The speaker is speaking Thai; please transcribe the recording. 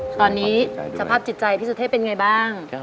ตอนนี้สภาพจิตใจพี่สุเทพเป็นไงบ้าง